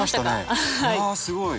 あすごい。